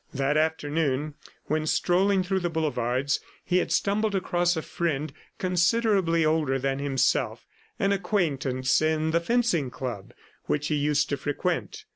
That afternoon, when strolling through the boulevards, he had stumbled across a friend considerably older than himself, an acquaintance in the fencing club which he used to frequent.